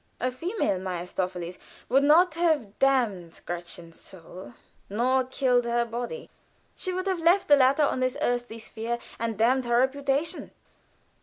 A female Mephistopheles would not have damned Gretchen's soul, nor killed her body, she would have left the latter on this earthly sphere, and damned her reputation.